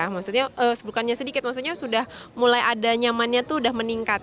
maksudnya sudah mulai ada nyamannya sudah meningkat